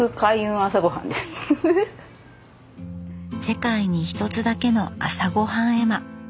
世界に一つだけの朝ごはん絵馬。